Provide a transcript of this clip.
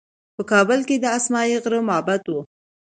په کابل کې د اسمايي غره معبد و